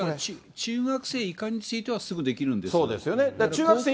中学生以下についてはすぐできるんですけど。